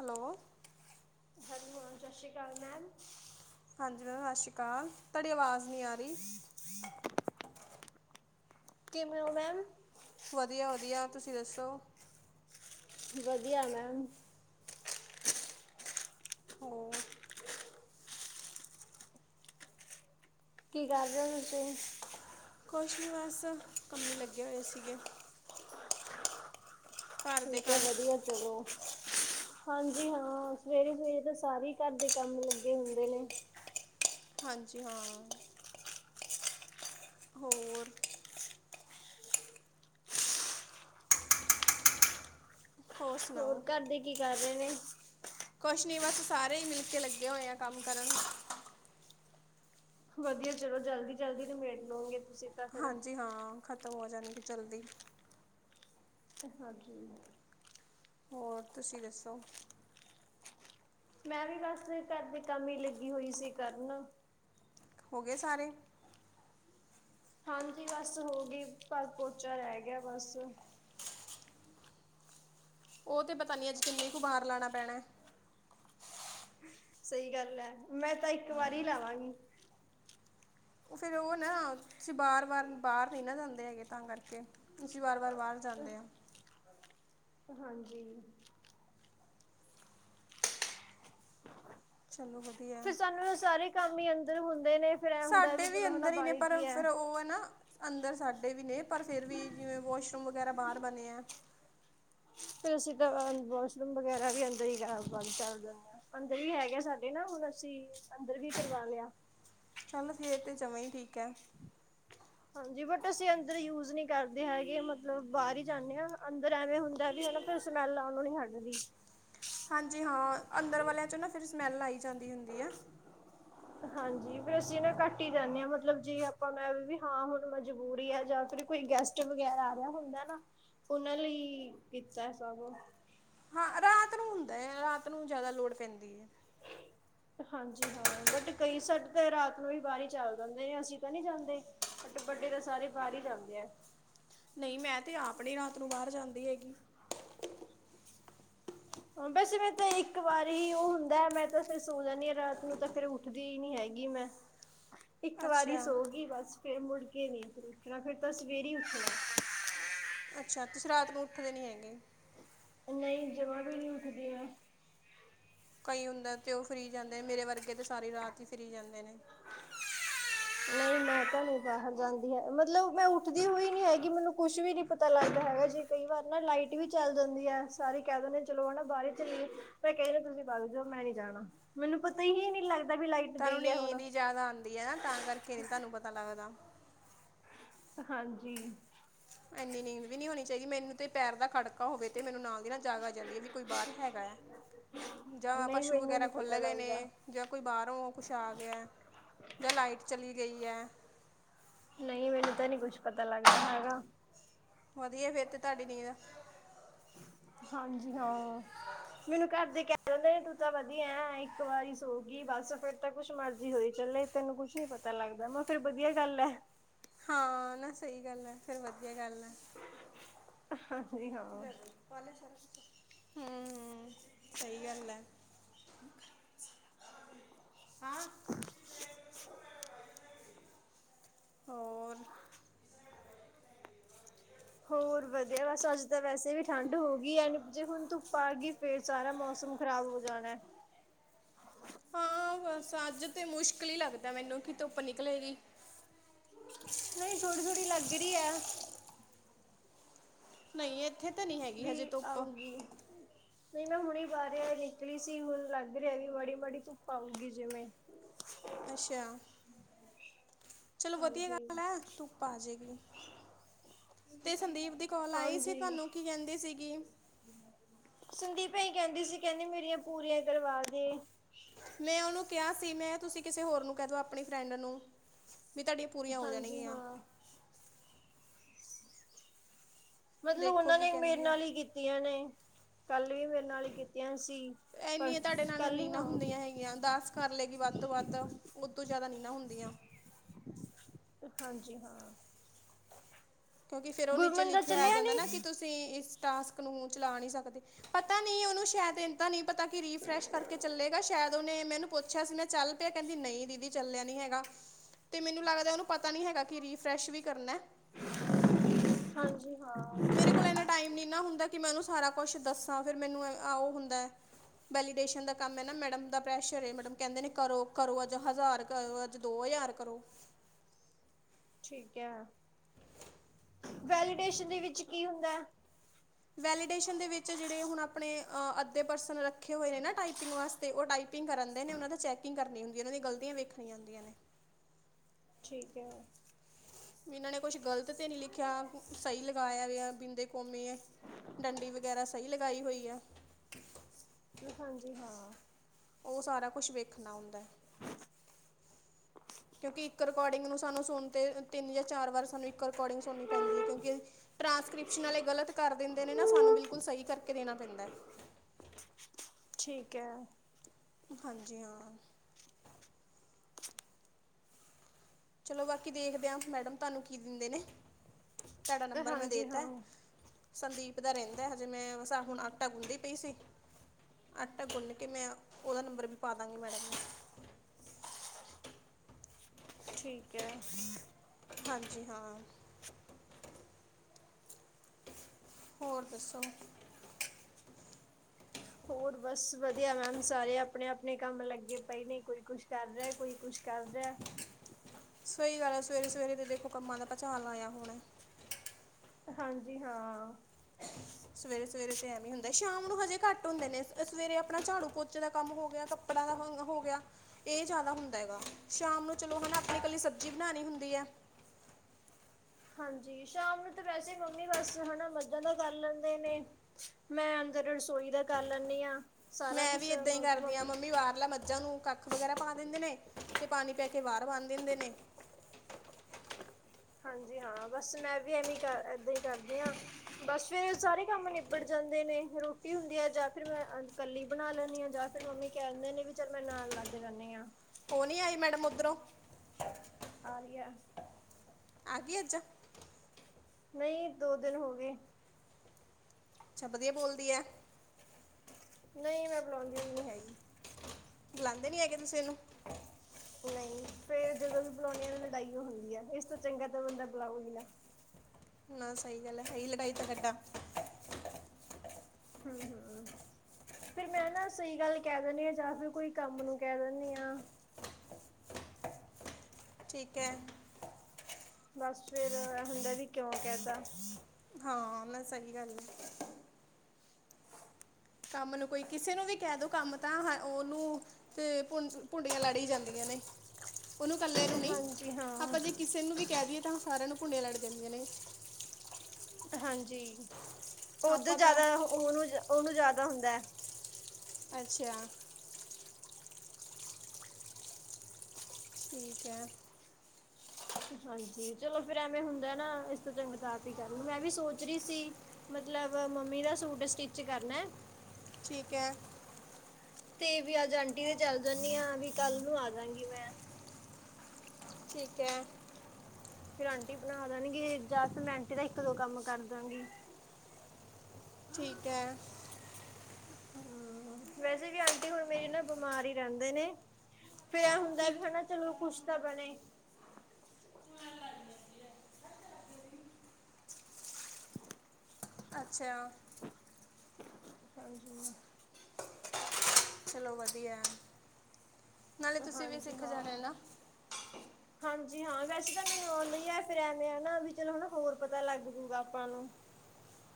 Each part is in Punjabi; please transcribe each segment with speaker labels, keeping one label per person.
Speaker 1: ਹੈਲੋ
Speaker 2: ਹੈਲੋ ਸਤਿ ਸ਼੍ਰੀ ਅਕਾਲ ਮੈਮ
Speaker 1: ਹਾਂਜੀ ਮੈਮ ਸਤਿ ਸ਼੍ਰੀ ਅਕਾਲ ਤੁਹਾਡੀ ਆਵਾਜ਼ ਨਹੀਂ ਆ ਰਹੀ
Speaker 2: [inaudible] ਕਿਵੇਂ ਹੋ ਮੈਮ
Speaker 1: ਵਧੀਆ-ਵਧੀਆ ਤੁਸੀਂ ਦੱਸੋ
Speaker 2: ਵਧੀਆ ਮੈਮ
Speaker 1: ਹੋਰ
Speaker 2: ਕੀ ਕਰਦੇ ਹੋ ਤੁਸੀਂ
Speaker 1: ਕੰਮੀ ਲੱਗੇ ਹੋਏ ਸੀਗੇ ਘਰ ਦੇ
Speaker 2: ਠੀਕ ਹੈ
Speaker 1: ਕੰਮ
Speaker 2: ਵਧੀਆ ਚਲੋ ਹਾਂਜੀ ਹਾਂ ਸਵੇਰੇ ਸਵੇਰੇ ਤਾਂ ਸਾਰੇ ਘਰ ਦੇ ਕੰਮ ਲੱਗੇ ਹੁੰਦੇ ਨੇ
Speaker 1: ਹਾਂਜੀ ਹਾਂ ਹੋਰ
Speaker 2: ਹੋਰ ਘਰਦੇ ਕੀ ਕਰ ਰਹੇ ਨੇ
Speaker 1: ਕੁਛ ਨ ਬਸ ਸਾਰੇ ਹੀ ਮਿਲ ਕੇ ਲੱਗੇ ਹੋਏ ਆ ਕੰਮ ਕਰਨ
Speaker 2: ਵਧੀਆ ਚਲੋ ਜਲਦੀ-ਜਲਦੀ ਨਮੇਟ ਲਓਗੇ ਤੁਸੀਂ ਤਾਂ ਫਿਰ।
Speaker 1: ਹਾਂਜੀ ਹਾਂ ਖਤਮ ਹੋ ਜਾਣਗੇ ਜਲਦੀ
Speaker 2: ਤੇ ਹਾਂਜੀ
Speaker 1: ਹੋਰ ਤੁਸੀਂ ਦੱਸੋ
Speaker 2: ਮੈਂ ਵੀ ਬਸ ਘਰ ਦੀ ਕਮੀ ਲੱਗੀ ਹੋਈ ਸੀ ਕਰਨ
Speaker 1: ਹੋ ਗਏ ਸਾਰੇ
Speaker 2: ਹਾਂਜੀ ਬਸ ਹੋ ਗਈ ਪਰ ਪੋਚਾ ਰਹਿ ਗਿਆ ਬਸ
Speaker 1: ਉਹ ਤੇ ਪਤਾ ਨੀ ਅੱਜ ਕਿੰਨੇ ਕ ਵਾਰ ਲਾਉਣਾ ਪੈਣਾ ਹੈ
Speaker 2: ਸਹੀ ਗੱਲ ਹੈ ਮੈਂ ਤਾਂ ਇੱਕ ਵਾਰੀ ਲਾਵਾਂਗੀ
Speaker 1: ਉਹ ਫੇਰ ਉਹ ਨਾ ਤੁਂ ਬਾਰ-ਵਾਰ ਬਾਹਰ ਨੀ ਨਾ ਜਾਂਦੇ ਹੈਗੇ ਤਾਂ ਕਰਕੇ ਅਸੀਂ ਵਾਰ-ਵਾਰ ਬਾਹਰ ਜਾਂਦੇ ਆ
Speaker 2: ਹਾਂਜੀ
Speaker 1: ਚੱਲੋ ਵਧੀਆ
Speaker 2: ਫਿਰ ਸਾਨੂੰ ਇਹ ਸਾਰੇ ਕੰਮ ਹੀ ਅੰਦਰ ਹੁੰ
Speaker 1: ਸਾਡੇ ਵੀ ਅੰਦਰ ਹੀ ਨੇ ਪਰ ਫਿਰ ਉਹ ਹੈ ਨਾ ਅੰਦਰ ਸਾਡੇ ਸਾਡੇ ਵੀ ਨੇ ਪਰ ਫਿਰ ਵੀ ਜਿਵੇਂ ਵਾਸ਼ਰੂਮ ਵਗੈਰਾ ਬਾਹਰ ਬਣੇ ਐ।
Speaker 2: ਫਿਰ ਅਸੀਂ ਤਾਂ ਵਾਸ਼ਰੂਮ ਵਗੈਰਾ ਵੀ ਅੰਦਰ ਹੀ ਬੰ ਕਰ ਲੈਂਦੇ ਹਾਂ ਅੰਦਰ ਵੀ ਹੈਗੇ ਸਾਡੇ ਨਾ ਹੁਣ ਅਸੀਂ ਅੰਦਰ ਵੀ ਕਰਵਾ ਲਿਆ।
Speaker 1: ਚੱਲ ਫੇਰ ਤੇ ਚਵਾਂ ਹੀ ਠੀਕ ਐ।
Speaker 2: ਹਾਂਜੀ ਬਟ ਅਸੀਂ ਅੰਦਰ ਯੂਜ ਨਹੀਂ ਕਰਦੇ ਹੈਗੇ ਮਤਲਬ ਬਾਹਰ ਹੀ ਜਾਂਦੇ ਹਾਂ ਅੰਦਰ ਐਵੇਂ ਹੁੰਦਾ ਵੀ ਹਨਾ ਫਿਰ ਸਮੈਲ ਆਉਣ ਨੂੰ ਨੀ ਹਟਦੀ।
Speaker 1: ਹਾਂਜੀ ਹਾਂ ਅੰਦਰ ਵਾਲਿਆਂ 'ਚ ਨਾ ਫਿਰ ਸਮੈਲ ਆਈ ਜਾਂਦੀ ਹੁੰਦੀ ਆ।
Speaker 2: ਹਾਂਜੀ ਫਿਰ ਅਸੀਂ ਇਹ ਨਾ ਘੱਟ ਹੀ ਜਾਂਦੇ ਹਾਂ ਮਤਲਬ ਜੇ ਆਪਾਂ ਨਾਲ ਦੀ ਹਾਂ ਹੁਣ ਮਜਬੂਰੀ ਹੈ ਜਾਂ ਫਿਰ ਕੋਈ ਗੈਸਟ ਵਗੈਰਾ ਆ ਰਿਹਾ ਹੁੰਦਾ ਨਾ ਉਹਨਾਂ ਲਈ ਕੀਤਾ ਸਭ
Speaker 1: ਹਾਂ ਰਾਤ ਨੂੰ ਹੁੰਦਾ ਹੈ ਰਾਤ ਨੂੰ ਜ਼ਿਆਦਾ ਲੋੜ ਪੈਂਦੀ ਏ।
Speaker 2: ਹਾਂਜੀ ਹਾਂ ਬਟ ਕਈ ਸਟ ਤੇ ਰਾਤ ਨੂੰ ਵੀ ਬਾਹਰ ਚੱਲ ਜਾਂਦੇ ਨੇ ਅਸੀਂ ਤਾਂ ਨਹੀਂ ਜਾਂਦੇ ਬਟ ਵੱਡੇ ਤਾਂ ਸਾਰੇ ਬਾਹਰ ਹੀ ਜਾਂਦੇ ਆ।
Speaker 1: ਨਹੀਂ ਮੈਂ ਤੇ ਆਪ ਨਹੀਂ ਰਾਤ ਨੂੰ ਬਾਹਰ ਜਾਂਦੀ ਹੈਗੀ। [inaudible]
Speaker 2: ਹ ਵੈਸੇ ਮੈਂ ਤਾਂ ਇੱਕ ਵਾਰ ਹੀ ਉਹ ਹੁੰਦਾ ਹੈ ਮੈਂ ਤਾਂ ਫਿਰ ਸੋ ਜਾਂਦੀ ਹ ਰਾਤ ਨੂੰ ਤਾਂ ਫੇਰ ਉੱਠਦੀ ਹੀ ਨੀ ਹੈਗੀ ਮੈਂ ਇੱਕ ਵਾਰੀ
Speaker 1: ਅੱਛਾ
Speaker 2: ਸੋ ਗਈ ਬਸ ਫੇਰ ਮੁੜ ਨਹੀਂ ਉੱਠਣਾ ਫੇਰ ਤ ਸਵੇਰੇ ਉੱਠਣਾ [inaudible]
Speaker 1: ਅੱਛਾ ਤੁਸੀਂ ਰਾਤ ਨੂੰ ਉੱਠਦੇ ਨੀ ਹੈਗੇ।
Speaker 2: ਨਹੀਂ ਜਮਾ ਵੀ ਨਹੀਂ ਉੱਠਦੀ ਹਾਂ।
Speaker 1: ਕਈ ਹੁੰਦਾ ਤੇ ਉਹ ਫਰੀ ਜਾਂਦੇ ਨੇ ਮੇਰੇ ਵਰਗੇ ਤੇ ਸਾਰੀ ਰਾਤ ਹੀ ਫਰੀ ਜਾਂਦੇ ਨੇ।
Speaker 2: ਨਹੀਂ ਮੈਂ ਤਾਂ ਨਹੀਂ ਬਹਿ ਜਾਂਦੀ ਹੈ ਮਤਲਬ ਮੈਂ ਉੱਠਦੀ ਹੋਈ ਨੀ ਹੈਗੀ ਮੈਨੂੰ ਕੁਛ ਵੀ ਨੀ ਪਤਾ ਲੱਗਦਾ ਹੈਗਾ ਜੀ ਕਈ ਵਾਰ ਨਾ ਲਾਈਟ ਵੀ ਚੱਲ ਜਾਂਦੀ ਹੈ ਸਾਰੀ ਕਹਿ ਦਿੰਦੇ ਚਲੋ ਹੈ ਨਾ ਬਾਰ 'ਚ ਮੈਂ ਕਹਿੰਦੇ ਤੁਸੀਂ ਬਗ ਜਾਓ ਮੈਂ ਨੀ ਜਾਣਾ ਮੈਨੂੰ ਪਤਾ ਹੀ ਨਹੀਂ ਲੱਗ
Speaker 1: ਤੁਹਾਨੂੰ ਨੀਂਦ ਹੀ ਜਿਆਦਾ ਆਉਂਦੀ ਹੈ ਨਾ ਤਾਂ ਕਰ ਨੀ ਤੁਹਾਨੂੰ ਪਤਾ ਲੱਗਦਾ।
Speaker 2: ਹਾਂਜੀ
Speaker 1: ਐਨੀ ਨੀਂਦ ਵੀ ਨੀ ਹੋਣੀ ਚਾਹੀਦੀ ਮੈਨੂੰ ਤੇ ਪੈਰ ਦਾ ਖੜਕਾ ਹੋਵੇ ਤੇ ਮੈਨੂੰ ਨਾਲ ਦੀ ਨਾਲ ਜਾਗ ਆ ਜਾਂਦੀ ਹੈ ਵੀ ਕੋਈ ਬਾਹਰ ਹੈਗਾ ਹੈ ਜਾਂ
Speaker 2: ਨਹੀਂ
Speaker 1: ਪਸ਼ੂ
Speaker 2: ਮੈਨੂੰ
Speaker 1: ਵਗੈਰਾ
Speaker 2: ਨੀ ਪਤਾ
Speaker 1: ਖੁੱਲ ਗਏ ਨੇ
Speaker 2: ਲੱਗਦਾ
Speaker 1: ਜਾਂ ਕੋਈ ਬਾਹਰੋਂ ਕੁਛ ਆ ਗਿਆ ਜਾਂ ਲਾਈਟ ਚਲੀ ਗਈ ਐ।
Speaker 2: ਨਹੀਂ ਮੈਨੂੰ ਤਾਂ ਨਹੀਂ ਕੁੱਛ ਪਤਾ ਲੱਗਦਾ ਹੈਗਾ।
Speaker 1: ਵਧੀਆ ਫੇਰ ਤੇ ਤੁਹਾਡੀ ਨੀਦ
Speaker 2: ਹਾਂਜੀ ਹਾਂ ਮੈਨੂੰ ਘਰ ਦੇ ਕਹਿ ਜਾਂਦੇ ਨੇ ਤੂੰ ਤਾਂ ਵਧੀਆ ਐ ਇੱਕ ਵਾਰੀ ਸੋ ਗਈ ਬਸ ਫਿਰ ਤਾਂ ਕੁਛ ਮਰਜੀ ਹੋਈ ਚੱਲੇ ਤੈਨੂੰ ਕੁਛ ਨੀ ਪਤਾ ਲੱਗਦਾ ਮੈਂ ਫੇਰ ਵਧੀਆ ਗੱਲ ਐ।
Speaker 1: ਹਾਂ ਨਾ ਸਹੀ ਗੱਲ ਹੈ ਫੇਰ ਵਧੀਆ ਗੱਲ
Speaker 2: ਹਾਂਜੀ
Speaker 1: [inaudible]
Speaker 2: ਹਾਂ
Speaker 1: ਹੂੰ- ਹੂੰ ਸਹੀ ਗੱਲ ਹੈ ਹਾਂ
Speaker 2: [inaudible]
Speaker 1: ਔਰ
Speaker 2: ਹੋਰ ਵਧੀਆ ਬਸ ਅੱਜ ਤਾਂ ਵੈਸੇ ਵੀ ਠੰਡ ਹੋ ਗਈ ਐ ਜੇ ਹੁਣ ਧੁੱਪ ਆ ਗਈ ਫੇਰ ਸਾਰਾ ਮੌਸਮ ਖ਼ਰਾਬ ਹੋ ਜਾਣਾ।
Speaker 1: ਹਾਂ ਬਸ ਅੱਜ ਤੇ ਮੁਸ਼ਕਿਲ ਹੀ ਲੱਗਦਾ ਮੈਨੂੰ ਕਿ ਧੁੱਪ ਨਿਕਲੇਗੀ।
Speaker 2: ਨਹੀਂ ਥੋੜ੍ਹੀ ਥੋੜ੍ਹੀ ਲੱਗ ਰਹੀ ਐ।
Speaker 1: ਨਹੀਂ ਇੱਥੇ ਤਾਂ ਨੀ ਹੈਗੀ ਹਜੇ
Speaker 2: ਵੀ
Speaker 1: ਧੁੱਪ
Speaker 2: ਆਊਗੀ ਨਹੀਂ ਮੈਂ ਹੁਣੇ ਬਾਹ ਨਿਕਲੀ ਸੀ ਹੁਣ ਲੱਗ ਰਿਹਾ ਵੀ ਮਾੜੀ- ਮਾੜੀ ਧੁੱਪ ਆਉਗੀ ਜਿਵੇਂ
Speaker 1: ਅੱਛਾ ਚਲੋ ਵਧੀਆ
Speaker 2: ਹਾਂਜੀ
Speaker 1: ਗੱਲ ਹੈ ਧੁੱਪ ਆਜੇਗੀ ਤੇ ਸੰਦੀਪ ਦੀ ਕੋਾਲ ਆਈ ਸੀ
Speaker 2: ਹਾਂਜੀ
Speaker 1: ਤੁਹਾਨੂੰ ਕੀ ਕਹਿੰਦੀ ਸੀਗੀ
Speaker 2: ਸੰਦੀਪ ਕਹਿੰਦੀ ਸੀ ਕਹਿੰਦੀ ਮੇਰੀਆਂ ਪੂਰੀਆਂ ਕਰਵਾ ਦੇ
Speaker 1: ਮੈਂ ਉਹਓਹਨੂੰ ਕਿਹਾ ਸੀ ਮੈਂ ਤੁਸੀਂ ਕਿਸੇ ਹੋਰ ਨੂੰ ਕਹਿ ਦੋ ਆਪਣੀ ਫਰੈਂਡ ਨੂੰ ਵੀ ਤੁਹਾਡੀਆਂ ਪੂਰੀਆਂ ਹੋ
Speaker 2: ਹਾਂਜੀ
Speaker 1: ਜਾਣਗੀਆਂ
Speaker 2: ਹਾਂ ਮਤਲਬ
Speaker 1: ਦੇਖੋ
Speaker 2: ਉਹਨਾਂ
Speaker 1: ਕੀ
Speaker 2: ਨੇ ਮੇਰੇ
Speaker 1: ਕਹਿੰਦੀ ਹੈ
Speaker 2: ਨਾਲ ਹੀ ਕੀਤੀਆਂ ਨੇ ਕੱਲ ਵੀ ਮੇਰੇ ਨਾਲ ਹੀ ਕੀਤੀਆਂ ਸੀ ਪਰ
Speaker 1: ਇੰਨੀਆਂ ਤੁਹਾਡੇ
Speaker 2: ਕੱਲ
Speaker 1: ਨਾਲੀ
Speaker 2: ਹੀ
Speaker 1: ਨਾ
Speaker 2: ਹਾਂ
Speaker 1: ਹੁੰਦੀਆਂ ਹੈਗੀਆਂ ਦਾਸ ਕਰ ਲਏਗੀ ਵੱਧ ਤੋਂ ਵੱਧ ਉਦੋਂ ਜਿਆਦਾ ਨੀ ਨਾ ਹੁੰਦੀਆਂ
Speaker 2: ਹਾਂਜੀ ਹਾਂ
Speaker 1: ਕਿਉਂਕਿ ਫੇਿਰ ਉਹ ਨੀਚੇ
Speaker 2: ਗੁਰਮਨ ਦਾ
Speaker 1: ਲਿਖਿਆ ਆ
Speaker 2: ਚੱਲਿਆ
Speaker 1: ਜਾਂਦਾ
Speaker 2: ਨੀ?
Speaker 1: ਨਾ ਕਿ ਤੁਸੀਂ ਇਸ ਟਾਸਕ ਨੂੰ ਚਲਾ ਨੀ ਸਕਦੇ ਪਤਾ ਨ ਉਹਨੂੰ ਸ਼ਾਇਦ ਇੰਦਾ ਨ ਪਤਾ ਕੀ ਰੀਫਰੈਸ਼ ਕਰਕੇ ਚੱਲੇਗਾ ਸ਼ਾਇਦ ਉਹਨੇ ਮੈਨੂੰ ਪੁੱਛਿਆ ਸੀ ਮੈਂ ਚੱਲ ਪਿਆ ਕਹਿੰਦੀ ਨਹੀਂ ਦੀਦੀ ਚੱਲਿਆ ਨੀ ਹੈਗਾ ਤੇ ਮੈਨੂੰ ਲੱਗਦਾ ਉਹਨੂੰ ਪਤਾ ਨੀ ਹੈਗਾ ਕਿ ਰੀਫਰੈਸ਼ ਵੀ ਕਰਨਾ
Speaker 2: ਹਾਂਜੀ ਹਾਂ।
Speaker 1: ਮੇਰੇ ਕੋਲ ਇੰਨਾ ਟਾਈਮ ਨੀ ਨਾ ਹੁੰਦਾ ਕਿ ਮੈਂ ਉਹਨੂੰ ਸਾਰਾ ਕੁਛ ਦੱਸਾਂ ਫਿਰ ਮੈਨੂੰ ਆਹ ਉਹ ਹੁੰਦਾ ਵੈਲੀਡੇਸ਼ਨ ਦਾ ਕੰਮ ਹੈ ਨਾ ਮੈਡਮ ਦਾ ਪ੍ਰੈਸ਼ਰ ਹੈ ਮੈਡਮ ਕਹਿੰਦੇ ਨੇ ਕਰੋ ਕਰੋ ਅੱਜ ਹਜ਼ਾਰ ਕਰੋ ਅੱਜ ਦੋ ਹਜ਼ਾਰ ਕਰੋ
Speaker 2: ਠੀਕ ਹੈ ਵੈਲੀਡੇਸ਼ਨ ਦੇ ਵਿੱਚ ਕੀ ਹੁੰਦਾ ਹੈ
Speaker 1: ਵੇਡ ਦੇ ਵਿਚ ਜਿ ਹੁਣ ਆਪਣੇ ਅਧੇ ਪਰਸ ਰੱਖੇ ਹੋਏ ਨੇ ਨਾ ਟਪਿੰਗ ਵਾਸਤੇ ਉਹ ਟਪਿੰਗ ਕਰਨ ਦੇ ਉਹ ਚੈਕਿੰਗ ਕਰਨੀ ਹੁੰਦੀ ਦੀ ਗ਼ਲਤੀਆਂ ਵੇਖਣ ਹਦੀ ਨੇ
Speaker 2: ਠੀਕ ਹੈ
Speaker 1: ਵੀ ਇਹਨਾਂ ਨੇ ਕੁੱਛ ਗਲਤ ਤੇ ਨਹੀਂੀ ਲਿਖਿਆ ਸਹੀ ਲਗਾਇਆ ਵ ਬਿੰਦੇ ਕੋਮੇ ਡੰਡੀ ਵਗੈਰਾ ਸਹੀ ਲਗਾਈ ਹੋਈ ਆ
Speaker 2: ਮੈਂ ਹਾਂਜੀ ਹਾਂ
Speaker 1: ਉਹ ਸਾਰਾ ਕੁਛ ਵੇਖਣਾ ਹੁੰਦਾ ਕਿਉਂਕਿ ਇੱਕ ਰਕੋਡਿੰਗ ਨੂੰ ਸਾਨੂੰ ਸੁਣ ਤੇ ਤਿੰਨ ਜਾਂ ਚਾਰ ਵਾਰ ਸਾਨੂੰ ਇੱਕ ਰਕੋਡਿੰਗ ਸੁਣਨੀ ਪੈਂਦੀ ਹੈ ਕਿਉਂਕਿ ਟ੍ਰਾਂਸਕ੍ਰਿਪਸ਼ਨ ਵਾਲੇ ਗਲਤ ਕਰ ਦਿੰਦੇ ਨੇ ਨਾ ਸਾਨੂੰ ਬਿਲਕੁਲ ਸਹੀ ਕਰਕੇ ਦੇਣਾ ਪੈਂਦਾ ਹੈ
Speaker 2: ਠੀਕ ਹੈ
Speaker 1: ਹਾਂਜੀ ਹਾਂ ਚਲੋ ਬਾਕੀ ਦੇਖਦੇ ਆ ਮੈਡਮ ਤੁਹਾਨੂੰ ਕੀ ਦਿੰਦੇ ਨੇ ਤੁਹਾਡਾ ਨੰਬਰ ਮੈਂ
Speaker 2: ਹਾਂਜੀ
Speaker 1: ਦੇਤਾ
Speaker 2: ਹਾਂ,
Speaker 1: ਸੰਦੀਪ ਦਾ ਰਹਿੰਦਾ ਹਜੇ ਮੈਂ ਹੁਣ ਆਟਾ ਗੁੰਦੀ ਪਈ ਸੀ ਆਟਾ ਗੁੰਨ ਕੇ ਮੈਂ ਉਹਦਾ ਨੰਬਰ ਵੀ ਪਾ ਦਾਂਗੀ ਮੈਡਮ ਨੂੰ
Speaker 2: ਠੀਕ ਹੈ
Speaker 1: ਹਾਂਜੀ ਹਾਂ ਹੋਰ ਦੱਸੋ
Speaker 2: ਹੋਰ ਬਸ ਵਧੀਆ ਮੈਮ ਸਾਰੇ ਆਪਣੇ ਆਪਣੇ ਕੰਮ ਲੱਗੇ ਪਏ ਨੇ ਕੋਈ ਕੁਛ ਕਰ ਰਿਹਾ ਕੋਈ ਕੁਛ ਕਰ ਰਿਹਾ
Speaker 1: ਸਹੀ ਵਾਲਾ ਸਵੇਰੇ ਸਵੇਰੇ ਤੇ ਦੇਖੋ ਕੰਮਾਂ ਦਾ ਪਚਾਣ ਲਾਇਆ ਹੁਣ
Speaker 2: ਹਾਂਜੀ ਹਾਂ
Speaker 1: ਸਵੇਰੇ ਸਵੇਰੇ ਤੇ ਐ ਵੀ ਹੁੰਦਾ ਸ਼ਾਮ ਨੂੰ ਹਜੇ ਘੱਟ ਹੁੰਦੇ ਨੇ ਸਵੇਰੇ ਆਪਣਾ ਝਾੜੂ ਕੋੋਚੇ ਦਾ ਕੰਮ ਹੋ ਗਿਆ ਕੱਪੜਾ ਦਾ ਹੋ ਗਿਆ ਇਹ ਜ਼ਿਆਦਾ ਹੁੰਦਾ ਹੈਗਾ ਸ਼ਾਮ ਨੂੰ ਚਲੋ ਹ ਆਪਣੇ ਇਕੱਲੀ ਸਬਜ਼ੀ ਬਣਾਉਣੀ ਹੁੰਦੀ ਹੈ
Speaker 2: ਹਾਂਜੀ ਸ਼ਾਮ ਨੂੰ ਤਾਂ ਵੈਸੇ ਮੰਮੀ ਬਸ ਹਨਾ ਮੱਧਾਂ ਦਾ ਕਰ ਲੈਂਦੇ ਨੇ ਮੈਂ ਅੰਦਰ ਰਸੋਈ ਦਾ ਕਰ ਲੈਦੀ ਹਾਂ ਸਾਰਾ
Speaker 1: ਮੈਂ ਵੀ
Speaker 2: ਕੁਛ
Speaker 1: ਏਦਾਂ ਹੀ ਕਰਦੀ ਹਾਂ
Speaker 2: ਮਤਲਬ
Speaker 1: ਮੰਮੀ ਬਾਹਰਲਾ ਮੱਝਾਂ ਨੂੰ ਕੱਖ ਵਗੈਰਾ ਪਾ ਦਿੰਦੇ ਨੇ ਤੇ ਪਾਣੀ ਪੈ ਕੇ ਬਾਹਰ ਬੰਨ ਦਿੰਦੇ ਨੇ
Speaker 2: ਹਾਂਜੀ ਹਾਂ ਬਸ ਮੈਂ ਵੀ ਐਵੇਂ ਕਰ ਏਦਾਂ ਹੀ ਕਰਦੀ ਹਾਂ ਬਸ ਫੇਿਰ ਸਾਰੇ ਕੰਮ ਨਿਬੜ ਜਾਂਦੇ ਨੇ ਰੋਟੀ ਹੁੰਦੀ ਹੈ ਜਾਂ ਫਿਰ ਮੈਂ ਕੱਲੀ ਬਣਾ ਲੈਂਦੀ ਹਾਂ ਜਾਂ ਫਿਰ ਮੰਮੀ ਕਹਿ ਦਿੰਦੇ ਨੇ ਵੀ ਚੱਲ ਮੈਂ ਨਾਲ ਲੱਗ ਜਾਂਦੀ ਹਾਂ
Speaker 1: ਉਹ ਨਹੀਂ ਆਈ ਮੈਡਮ ਉੱਧਰੋਂ
Speaker 2: ਆਲਿਆ
Speaker 1: ਆ ਗਈ ਅੱਜ।
Speaker 2: ਨਹੀਂ ਦੋ ਦਿਨ ਹੋ ਗਏ।
Speaker 1: ਅੱਛਾ ਵਧੀਆ ਬੋਲਦੀ ਹੈ।
Speaker 2: ਨਹੀਂ ਮੈਂ ਬੁਲਾਉਂਦੀ ਹੋਈ ਨਹੀਂ ਹੈਗੀ।
Speaker 1: ਬੁਲਾਂਦੇ ਨੀ ਹੈਗੇ ਤੁਸੀਂ ਇਹਨੂੰ।
Speaker 2: ਨਹੀਂ ਫੇਰ ਜਦੋਂ ਵੀ ਬੁਲਾਉਂਣੇ ਆ ਲੜਾਈ ਉਹ ਹੁੰਦੀ ਆ ਇਸ ਤੋਂ ਚੰਗਾ ਤਾਂ ਬੰਦਾ ਬੁਲਾਉ ਹੀ ਨਾ।
Speaker 1: ਨਾ ਸਹੀ ਗੱਲ ਹੈ ਸਹੀ ਲੜਾਈ ਤਾਂ ਕੱਡਾ।
Speaker 2: ਹੂੰ ਹੂੰ, ਫਿਰ ਮੈਂ ਨਾ ਸਹੀ ਗੱਲ ਕਹਿ ਦੇਂਦੀ ਹਾਂ ਜਾਂ ਫਿਰ ਕੋਈ ਕੰਮ ਨੂੰ ਕਹਿ ਦੇਂਦੀ ਹਾਂ।
Speaker 1: ਠੀਕ ਹੈ।
Speaker 2: ਬਸ ਫੇਰ ਹੁੰਦਾ ਵੀ ਕਿਉਂ ਕਹਿ ਤਾ।
Speaker 1: ਹਾਂ ਮੈ ਸਹੀ ਗੱਲ ਹੈ। ਕੰਮ ਨੂੰ ਕੋਈ ਕਿਸੇ ਨੂੰ ਵੀ ਕਹਿ ਦੋ ਕੰਮ ਤਾਂ ਉਹਨੂੰ ਤੇ ਪੁੰਡੀਆਂ ਲੜੀ ਜਾਂਦੀਆਂ ਨੇ। ਉਹਨੂੰ ਇਕੱਲੇ ਨੂੰ ਨਹੀਂ
Speaker 2: ਹਾਂਜੀ ਹਾਂ
Speaker 1: ਆਪਾਂ ਜੇ ਕਿਸੇ ਨੂੰ ਵੀ ਕਹਿ ਦਈਏ ਤਾਂ ਸਾਰਿਆਂ ਨੂੰ ਪੁੰਡੀਆਂ ਲੜ ਜਾਂਦੀਆਂ ਨੇ।
Speaker 2: ਹਾਂਜੀ ਉਧਰ
Speaker 1: ਆਪਾਂ ਤਾਂ
Speaker 2: ਜਿਆਦਾ ਉਹਨੂੰ ਉਹਨੂੰ ਜ਼ਿਆਦਾ ਹੁੰਦਾ ਹੈ।
Speaker 1: ਅੱਛਾ ਠੀਕ ਹੈ।
Speaker 2: ਹਾਂਜੀ ਚਲੋ ਫੇਰ ਐਵੇਂ ਹੁੰਦਾ ਨਾ ਇਸ ਤੋਂ ਚੰਗਾ ਹੀ ਕਰ ਲਓ ਮੈਂ ਵੀ ਸੋਚ ਰਹੀ ਸੀ ਮਤਲਬ ਮੰਮੀ ਦਾ ਸੂਟ ਸਟਿਚ ਕਰਨਾ।
Speaker 1: ਠੀਕ ਹੈ।
Speaker 2: ਤੇ ਵੀ ਅੱਜ ਆਂਟੀ ਤੇ ਚੱਲ ਜਾਣੀ ਆ ਵੀ ਕੱਲ ਨੂੰ ਆ ਜਾ ਗਈ ਮੈਂ।
Speaker 1: ਠੀਕ ਹੈ।
Speaker 2: ਫੇਰ ਆਂਟੀ ਬਣਾ ਦੇਣਗੇ ਜਾਂ ਫਿਰ ਮੈਂ ਆਂਟੀ ਦਾ ਇੱਕ ਦੋ ਕੰਮ ਕਰ ਦਾਗੀ।
Speaker 1: ਠੀਕ ਹੈ
Speaker 2: ਹੂੰ ਵੈਸੇ ਵੀ ਆਂਟੀ ਹੁਣ ਮੇਰੇ ਨਾ ਬਿਮਾਰ ਹੀ ਰਹਿੰਦੇ ਨੇ ਫੇਰ ਇਹ ਹੁੰਦਾ
Speaker 1: ਕੀ
Speaker 2: ਹਨਾ ਚਲੋ ਕੁੱਛ ਤਾਂ ਬਣੇ
Speaker 1: ਅੱਛਾ
Speaker 2: ਸਹੀ ਜੀ।
Speaker 1: ਚਲੋ ਵਧੀਆ ਐ। ਨਾਲੇ ਤੁਸੀਂ ਵੀ
Speaker 2: ਹਾਂਜੀ
Speaker 1: ਸਿੱਖ ਜਾਣਾ ਨਾ
Speaker 2: ਜੀ ਹਾਂ ਵੈਸੇ ਤਾਂ ਮੈਨੂੰ ਆ ਹੀ ਆ ਫੇਰ ਐਵੇਂ ਆ ਨਾ ਵੀ ਚਲੋ ਹਣ ਹੋਰ ਪਤਾ ਲੱਗ ਜਾਉ ਗਾ ਆਪਾਂ ਨੂੰ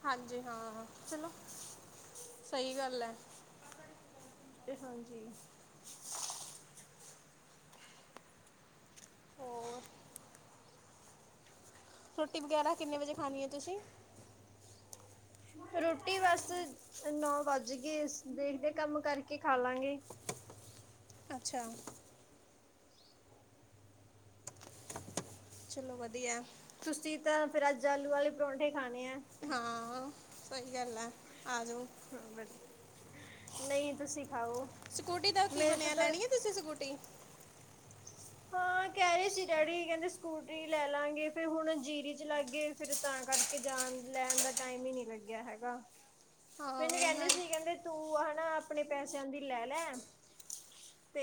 Speaker 1: ਹਾਂਜੀ ਹਾਂ ਚਲੋ, ਸਹੀ ਗੱਲ ਹੈ।
Speaker 2: ਤੇ ਹਾਂਜੀ।
Speaker 1: ਹੋਰ ਰੋਟੀ ਵਗੈਰਾ ਕਿੰਨੇ ਵਜੇ ਖਾਣੀ ਹੈ ਤੁਸੀਂ
Speaker 2: ਰੋਟੀ ਬਸ, ਨੌ ਵੱਜ ਗਏ ਦੇਖਦੇ ਕੰਮ ਕਰਕੇ ਖਾ ਲਾਂਗੇ।
Speaker 1: ਅੱਛਾ। ਚਲੋ ਵਧੀਆ। ਹੈ।
Speaker 2: ਤੁਸੀਂ ਤਾਂ ਫੇਰ ਅੱਜ ਆਲੂ ਵਾਲੇ ਪਰੌਂਠੇ ਖਾਣੇ ਆ।
Speaker 1: ਹਾਂ। ਸਹੀ ਗੱਲ ਹੈ, ਆਜੋਂ।
Speaker 2: ਨਹੀਂ ਤੁਸੀਂ ਖਾਓ
Speaker 1: ਸਕੂਟੀ ਦਾ ਕੀ
Speaker 2: ਮੇਰੇ ਤੋਂ
Speaker 1: ਬਣਿਆ
Speaker 2: ਤਾਂ
Speaker 1: ਲੈਣੀ ਆ ਤੁਸੀਂ ਸਕੂਟੀ?
Speaker 2: ਹਾਂ ਕਹਿ ਰਹੇ ਸੀ ਡੈਡੀ ਕਹਿੰਦੇ ਸਕੂਟਰੀ ਲੈ ਲਾਂਗੇ ਫਿਰ ਹੁਣ ਜੀਰੀ ਚ ਲੱਗੇ ਫਿਰ ਤਾਂ ਕਰਕੇ ਜਾਣ ਲੈਣ ਦਾ ਟਾਈਮ ਹੀ ਨਹੀਂ ਲੱਗਿਆ ਹੈਗਾ।
Speaker 1: ਹਾਂ
Speaker 2: ਮੈਨੂੰ
Speaker 1: ਮੈਂ
Speaker 2: ਕਹਿੰਦੇ ਸੀ ਕਹਿੰਦੇ ਤੂੰ ਹਨਾ ਆਪਣੇ ਪੈਸਿਆਂ ਦੀ ਲੈ ਲੈ ਤੇ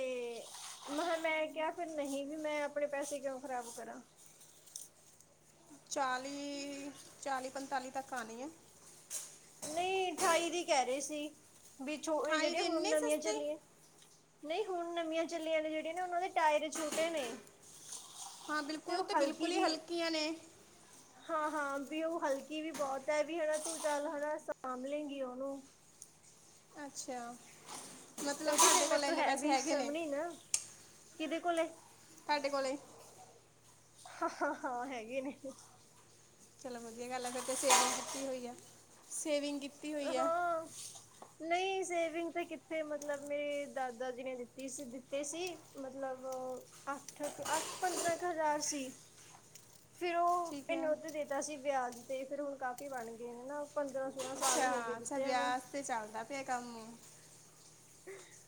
Speaker 2: ਮੈਂ ਖਾ ਕਿਹਾ ਫਿਰ ਨਹੀਂ ਵੀ ਮੈਂ ਆਪਣੇ ਪੈਸੇ ਕਿਉਂ ਖ਼ਰਾਬ ਕਰਾਂ।
Speaker 1: ਚਾਲੀ ਚਾਲੀ ਪੰਤਾਲੀ। ਤੱਕ ਆਣੀ ਹੈ।
Speaker 2: ਨਹੀਂ ਅਠਾਈ ਦੀ ਕਹਿ ਰਹੇ ਸੀ। ਵਿੱਚ ੳਹੀ ਜਿਹੜੀਆਂ
Speaker 1: ਦੀ
Speaker 2: ਹੁਣ
Speaker 1: ਇੰਨੀ
Speaker 2: ਨਵੀਆਂ
Speaker 1: ਸਸਤੀ
Speaker 2: ਚੱਲੀਆਂ। ਨਹੀਂ ਹੁਣ ਨਵੀਆਂ ਚੱਲੀਆਂ ਨੇ ਜਿਹੜੀਆ ਨਾ ਉਹਨਾਂ ਦੇ ਟਾਇਰ ਛੋਟੇ ਨੇ।
Speaker 1: ਹਾਂ ਬਿਲਕੁਲ
Speaker 2: ਤੇ
Speaker 1: ਉਹ ਤਾਂ
Speaker 2: ਹਲਕੀ
Speaker 1: ਬਿਲਕੁਲ ਹੀ
Speaker 2: ਵੀ
Speaker 1: ਹਲਕੀਆਂ ਨੇ।
Speaker 2: ਹਾਂ ਹਾਂ ਵੀ ਉਹ ਹਲਕੀ ਵੀ ਬਹੁਤ ਹੈ ਵੀ ਹਨਾ ਤੂੰ ਚੱਲ ਹ ਦਾ ਸਾਂਭ ਲੈਂਗੀ ਉਹਨੂੰ।
Speaker 1: ਅੱਛਾ ਮਤਲਬ
Speaker 2: ਕਿਉਂਕਿ ਫਿਰ
Speaker 1: ਤੁਹਾਡੇ
Speaker 2: ਮੇਰੇ
Speaker 1: ਕੋਲ
Speaker 2: ਤੋਂ
Speaker 1: ਇੰਨੇ
Speaker 2: ਹੈ
Speaker 1: ਪੈਸੇ
Speaker 2: ਵੀ
Speaker 1: ਹੈਗੇ ਨੇ?
Speaker 2: ਸਮਣੀ ਨਾ ਕਿਹਦੇ ਕੋਲੇ।
Speaker 1: ਧਾਡੇ ਕੋਲੇ।
Speaker 2: ਹਹ ਹਾਂ ਹੈਗੇ ਨੇ।
Speaker 1: ਚਲੋ ਵਧੀਆ ਗੱਲ ਆ ਫਿਰ ਤੇ ਸੇਵਿੰਗ ਕੀਤੀ ਹੋਈ ਆ ਸੇਵਿੰਗ ਕੀ ਕੀਤੀ ਹੋਈ ਹੈ।
Speaker 2: ਹਾਂ ਨਹੀਂ ਸੇਵਿੰਗ ਤੇ ਕਿੱਥੇ ਮਤਲਬ ਮੇਰੇ ਦਾਦਾ ਜੀ ਨੇ ਦਿੱਤੀ ਸੀ ਦਿੱਤੇ ਸੀ ਮਤਲਬ ਅੱਠ ਅੱਠ ਪੰਦਰਾਂ ਕੁ ਹਜ਼ਾਰ ਸੀ ਫਿਰ ਉਹ।
Speaker 1: ਠੀਕ ਹੈ
Speaker 2: ਮੈਨੂੰ ਉਹਤੇ ਦੇਤਾ ਸੀ ਵਿਆਜ। ਤੇ ਫੇਰ ਹੁਣ ਕਾਫ਼ੀ ਬਣ ਗਏ ਨੇ ਨਾ ਪੰਦਰਾਂ ਸੋਲਾਂ। ਸਾਲ
Speaker 1: ਹਾਂ
Speaker 2: ਹੋ ਗਏ
Speaker 1: ਅੱਛਾ
Speaker 2: ਦਿੱਤਿਆਂ
Speaker 1: ਵਿਆਹ [unintelligible]
Speaker 2: ਨੂੰ
Speaker 1: ਵਾਸਤੇ ਚੱਲਦਾ ਪਿਆ ਕੰਮ।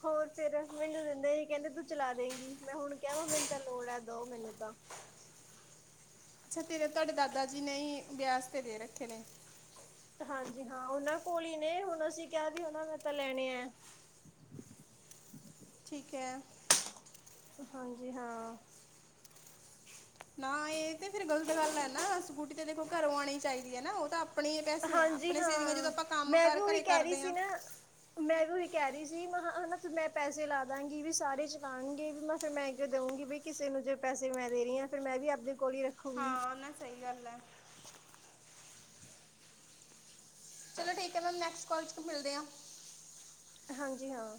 Speaker 2: ਹੋਰ ਫੇਰ ਮੈਨੂੰ ਦੇਂਦੇ ਹੀ ਕਹਿੰਦੇ ਤੂੰ ਚਲਾ ਦੇਗੀ ਮੈਂ ਹੁਣ ਕਿਹਾ ਮੈਨੂੰ ਤਾਂ ਲੋੜ ਹੈ ਦਓ ਮੈਨੂੰ ਤਾਂ।
Speaker 1: ਵਿਆਜ਼ ਤੇ ਦੇ ਰੱਖੇ ਨੇ।
Speaker 2: ਹਾਂਜੀ ਹਾਂ ਉਹਨਾਂ ਕੋਲ ਹੀ ਨੇ ਹੁਣ ਅਸੀਂ ਕਿਹਾ ਵੀ ਉਹਨਾ ਨੇ ਤਾਂ ਲੈਣੇ ਆ।
Speaker 1: ਠੀਕ ਹੈ।
Speaker 2: ਹਾਂਜੀ ਹਾਂ।
Speaker 1: ਨਾ ਇਹ। ਤੇ ਫਿਰ ਗਲਤ ਗੱਲ ਹੈ ਨਾ ਸਕੂਟੀ ਇਹ ਤੇ ਦੇਖੋ ਘਰੋਂ ਆਉਣੀ ਚਾਹੀਦੀ ਹੈ ਨਾ ਉਹ ਤਾਂ ਆਪ।
Speaker 2: ਹਾਂਜੀ ਹਾਂ ਮੈਂ ਵੀ
Speaker 1: ਕਰ
Speaker 2: ਉਹੀ
Speaker 1: ਘਰੇ
Speaker 2: ਕਹਿ ਰਹੀ
Speaker 1: ਕਰਦੇ
Speaker 2: ਸੀ
Speaker 1: ਆ
Speaker 2: ਨਾ ਮੈਂ ਵੀ ਉਹੀ। ਕਹਿ ਰਹੀ ਸੀ ਮੈਂ ਹਨਾ ਮੈਂ ਪੈਸੇ ਲਾ ਦਾਂਗੀ ਵੀ ਸਾਰੇ ਚਲਾਣਗੇ ਵੀ ਮੈਂ ਫਿਰ ਕਿਉਂ ਦਊਂਗੀ ਵੀ ਕਿਸੇ ਨੂੰ ਜੇ ਪੈਸੇ ਮੈਂ ਦੇ ਰਹੀ ਆ ਫਿਰ ਮੈਂ ਵੀ ਆਪਦੇ ਕੋਲ ਹੀ ਰੱਖੂਗੀ।
Speaker 1: ਹਾਂ ਨਾ ਸਹੀ ਗੱਲ ਹੈ ਚਲੋ ਠੀਕ ਹੈ ਮੈਮ ਨੈਕਸਟ ਕੌਲ ਚ ਮਿਲਦੇ ਆ।
Speaker 2: ਹਾਂਜੀ ਹਾਂ।